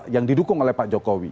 yang didukung oleh pak jokowi